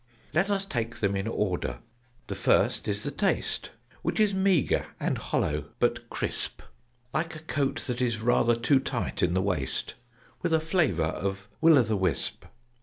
"Let us take them in order. The first is the taste, Which is meagre and hollow, but crisp: Like a coat that is rather too tight in the waist, With a flavour of Will o the wisp.